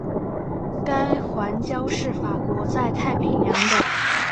该环礁是法国在太平洋的。